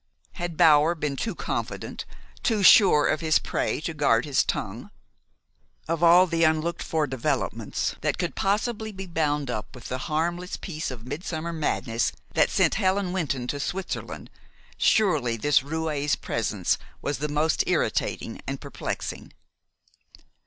Had Bower been too confident, too sure of his prey to guard his tongue? Of all the unlooked for developments that could possibly be bound up with the harmless piece of midsummer madness that sent Helen Wynton to Switzerland, surely this roué's presence was the most irritating and perplexing.